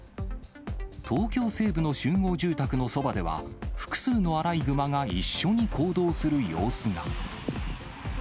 東京西部の集合住宅のそばでは、複数のアライグマが一緒に行動する様子が。